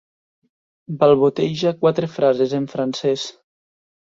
Balboteja quatres frases en francès.